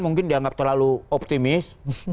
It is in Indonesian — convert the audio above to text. mungkin dianggap terlalu optimis